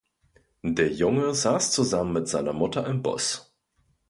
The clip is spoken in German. Der Junge saß zusammen mit seiner Mutter im Bus.